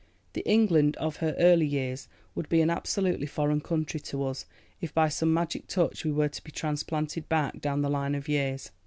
The England of her early years would be an absolutely foreign country to us, if by some magic touch we were to be transplanted back down the line of years.